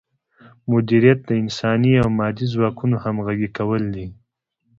مدیریت د انساني او مادي ځواکونو همغږي کول دي.